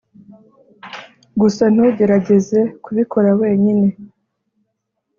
gusa ntugerageze kubikora wenyine.